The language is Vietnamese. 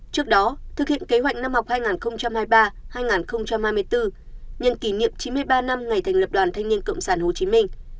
trước đó thực hiện kế hoạch năm học hai nghìn hai mươi ba hai nghìn hai mươi bốn nhân kỷ niệm chín mươi ba năm ngày thành lập đoàn thanh niên cộng sản hồ chí minh